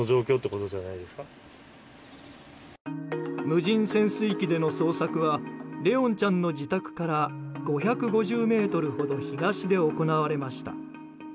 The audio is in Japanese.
無人潜水機での捜索は怜音ちゃんの自宅から５５０ｍほど東で行われました。